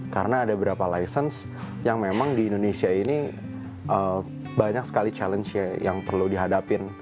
karena ada beberapa license yang memang di indonesia ini banyak sekali challenge yang perlu dihadapin